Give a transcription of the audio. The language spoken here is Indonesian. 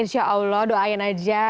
insyaallah doain aja